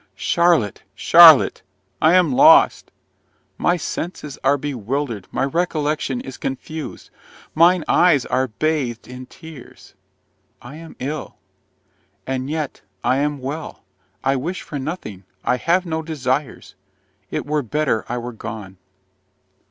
Charlotte! Charlotte! I am lost! My senses are bewildered, my recollection is confused, mine eyes are bathed in tears I am ill; and yet I am well I wish for nothing I have no desires it were better I were gone.